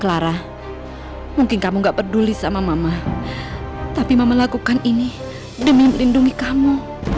clara mungkin kamu nggak peduli sama mama tapi mama lakukan ini demi melindungi kamu